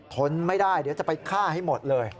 ทนไม่ได้เดี๋ยวจะไปฆ่าให้หมดเลย